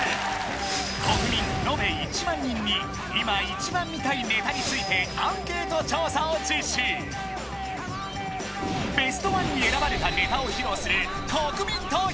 国民延べ１万人に今一番見たいネタについてアンケート調査を実施ベストワンに選ばれたネタを披露する国民投票